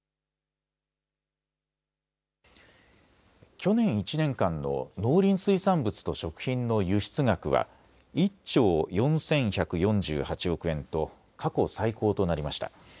去年１年間の農林水産物と食品の輸出額は１兆４１４８億円と過去最高となりました。